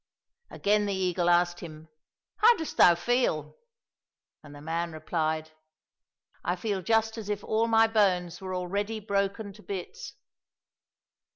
Again the eagle asked him, '* How dost thou feel ?" And the man replied, " I feel just as if all my bones were already broken to bits